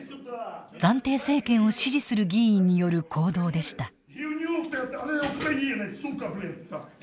暫定政権を支持する議員による行動でした。